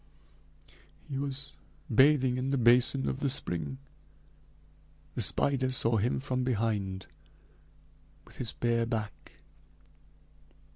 "He was bathing in the basin of the spring the spider saw him from behind, with his bare back.